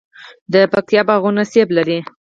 د پکتیا باغونه مڼې لري.